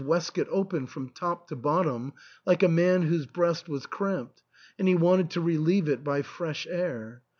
waistcoat open from top to bottom like a man whose breast was cramped and he wanted to relieve it by fresh air.